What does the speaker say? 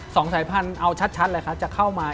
สงสัยภัณฑ์เอาชัดจะเข้ามา